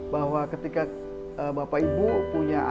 bahwa ketika bapak ibu punya anak